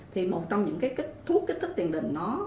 thì một trong những thuốc kích thích tiền đình